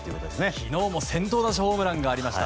昨日も先頭打者ホームランがありました。